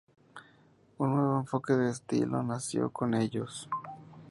Un nuevo enfoque de estilo nació con ellos.